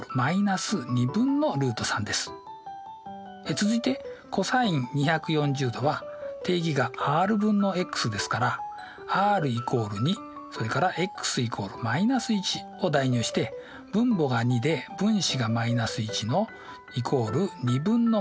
続いてｃｏｓ２４０°は定義がｒ分のｘですからｒ＝２それからｘ＝−１を代入して分母が２で分子が−１の＝２分の−１。